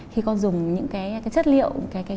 khi con dùng những chất liệu